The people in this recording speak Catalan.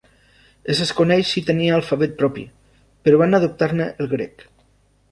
Es desconeix si tenien alfabet propi, però van adoptar-ne el grec.